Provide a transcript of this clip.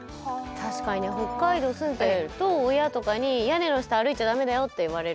確かに北海道住んでると親とかに「屋根の下歩いちゃ駄目だよ」って言われるんですね。